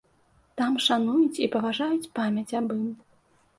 Там шануюць і паважаюць памяць аб ім.